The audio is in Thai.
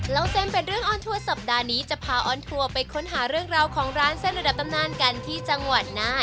เล่าเส้นเป็นเรื่องออนทัวร์สัปดาห์นี้จะพาออนทัวร์ไปค้นหาเรื่องราวของร้านเส้นระดับตำนานกันที่จังหวัดน่าน